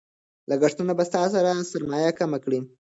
لګښتونه به ستا سرمایه کمه کړي.